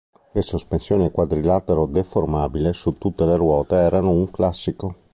Le sospensioni a quadrilatero deformabile su tutte le ruote erano un classico.